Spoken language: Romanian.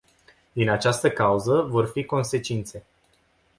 Din această cauză, vor fi consecințe.